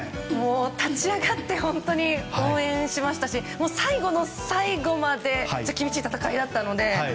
立ち上がって応援しましたし最後の最後まで厳しい戦いだったので。